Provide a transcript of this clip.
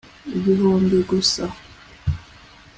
igihumbi gusa